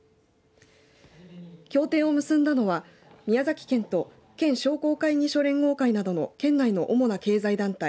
協定を結んだのは宮崎県と県商工会議所連合会などの県内の主な経済団体